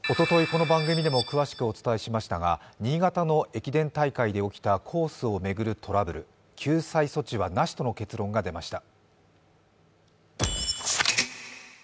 この番組でも詳しくお伝えしましたが新潟の駅伝大会で起きたコースを巡るトラブル、救済措置はなしとの結論が出ました。